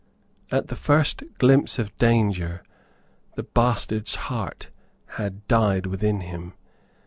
At the first glimpse of danger the bastard's heart had died within him.